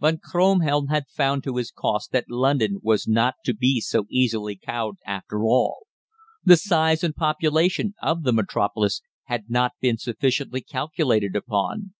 Von Kronhelm had found to his cost that London was not to be so easily cowed after all. The size and population of the Metropolis had not been sufficiently calculated upon.